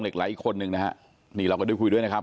เหล็กไลลย์อีกคนหนึ่งนะฮะนี่เราก็ได้คุยด้วยนะครับ